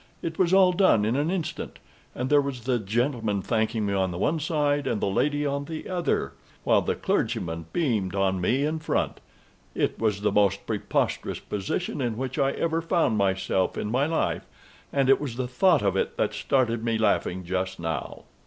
It was all done in an instant, and there was the gentleman thanking me on the one side and the lady on the other, while the clergyman beamed on me in front. It was the most preposterous position in which I ever found myself in my life, and it was the thought of it that started me laughing just now.